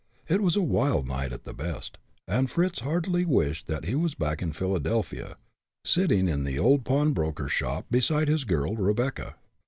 It was a wild night at the best, and Fritz heartily wished that he was back in Philadelphia, sitting in the old pawnbroker shop, beside his girl, Rebecca.